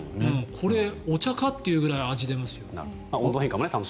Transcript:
これ、お茶かってくらい味が出ますよ。